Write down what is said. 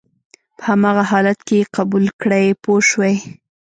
په هماغه حالت کې یې قبول کړئ پوه شوې!.